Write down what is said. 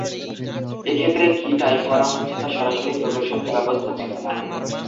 এক্ষেত্রে কী টাইপ করা হচ্ছে তা সরাসরি প্রদর্শনের ব্যবস্থা ছিল না।